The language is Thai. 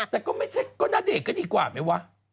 แต่ก็น่าเด็กกันดีกว่าไหมวะ